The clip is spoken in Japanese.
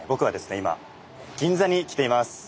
今銀座に来ています。